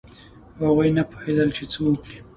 هغوی نه پوهېدل چې څه وکړي.